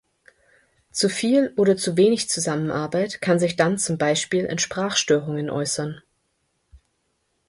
Zu viel oder zu wenig Zusammenarbeit kann sich dann zum Beispiel in Sprachstörungen äußern.